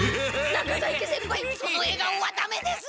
中在家先輩そのえがおはダメです！